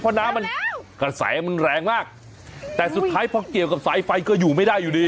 เพราะน้ำมันกระแสมันแรงมากแต่สุดท้ายพอเกี่ยวกับสายไฟก็อยู่ไม่ได้อยู่ดี